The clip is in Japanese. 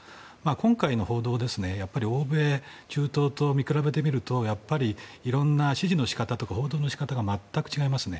今回の報道欧米、中東と見比べてみるといろんな支持の仕方とか報道の仕方が全く違いますね。